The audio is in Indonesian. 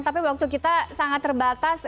tapi waktu kita sangat terbatas